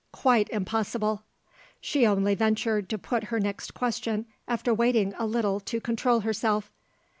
"Quite impossible." She only ventured to put her next question after waiting a little to control herself.